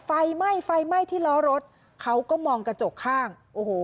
ไฟไหม้ไฟไหม้ที่ล้อรถเขาก็มองกระจกข้างโอ้โห